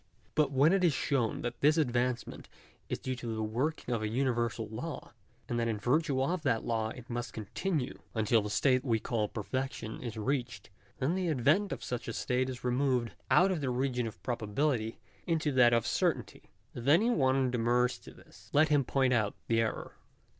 But when it is shown that this advancement is due to the working of a universal law ; and that in virtue of that law it must continue until the state we call perfection is reached, then the advent of such a state is removed out of the region of probability into that of certainty. If any one demurs to this, let him point out the error.